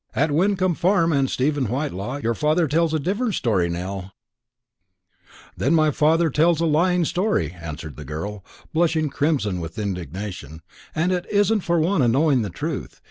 at Wyncomb Farm and Stephen Whitelaw; your father tells a different story, Nell." "Then my father tells a lying story," answered the girl, blushing crimson with indignation; "and it isn't for want o' knowing the truth.